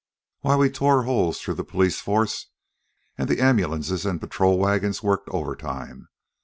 Why, we tore holes through the police force, an' the ambulances and patrol wagons worked over time.